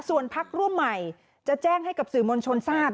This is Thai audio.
ส่วนพักร่วมใหม่จะแจ้งให้กับสื่อมวลชนทราบ